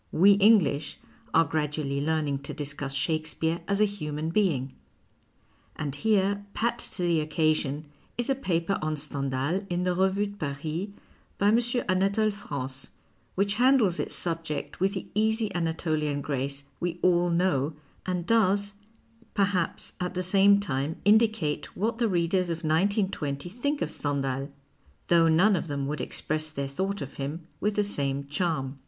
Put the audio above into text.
We English are gradually learning to discuss Shakespeare as a human being. And here, pat to the occasion, is a paper on Stendhal in the Revue de Paris by M. Anatole France, which handles its subject with the easy Anatolian grace we all know and does, perhaps, at the same time indicate what the readers of 1920 think of Stendhal, though none of them would express their thought of him \vith the same charm.